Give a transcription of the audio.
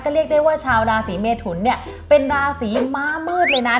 เรียกได้ว่าชาวราศีเมทุนเนี่ยเป็นราศีม้ามืดเลยนะ